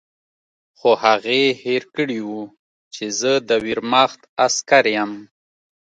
خو هغې هېر کړي وو چې زه د ویرماخت عسکر یم